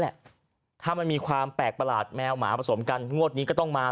แหละถ้ามันมีความแปลกประหลาดแมวหมาผสมกันงวดนี้ก็ต้องมา